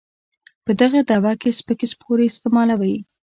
په دغه دعوه کې سپکې سپورې استعمالوي.